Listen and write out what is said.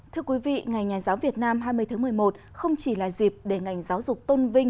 thưa quý vị ngày nhà giáo việt nam hai mươi tháng một mươi một không chỉ là dịp để ngành giáo dục tôn vinh